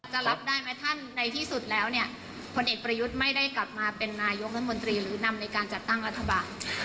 รับได้ไหมท่านในที่สุดแล้วเนี่ยพลเอกประยุทธ์ไม่ได้กลับมาเป็นนายกรัฐมนตรีหรือนำในการจัดตั้งรัฐบาล